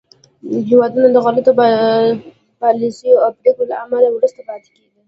هېوادونه د غلطو پالیسیو او پرېکړو له امله وروسته پاتې کېږي